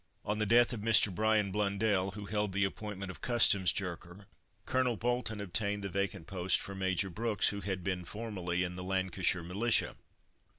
On the death of Mr. Bryan Blundell, who held the appointment of Customs Jerker, Colonel Bolton obtained the vacant office for Major Brooks, who had been formerly in the Lancashire Militia.